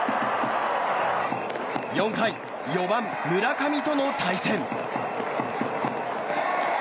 ４回４番、村上との対戦。